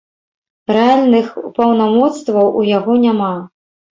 Рэальных паўнамоцтваў у яго няма.